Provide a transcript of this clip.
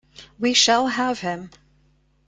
We shall have him.